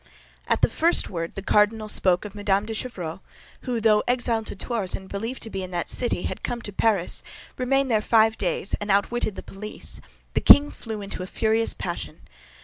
At the first word the cardinal spoke of Mme. de Chevreuse—who, though exiled to Tours and believed to be in that city, had come to Paris, remained there five days, and outwitted the police—the king flew into a furious passion.